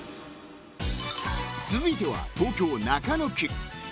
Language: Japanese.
［続いては東京中野区］